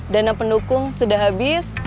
dana pendukung sudah habis